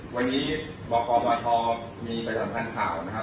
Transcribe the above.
วันนี้บกบทมีประจำทันข่าวนะครับ